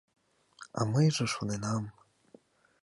А мыйже шоненам...